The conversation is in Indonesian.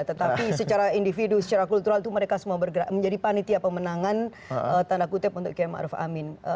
tetapi secara individu secara kultural itu mereka semua menjadi panitia pemenangan tanda kutip untuk kiai ma'ruf amin